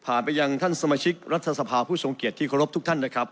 ผ่านไปยังท่านสมชิกรัฐสภาผู้ส่งเกียรติควรบทุกท่านนะครับ